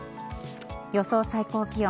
予想最高気温。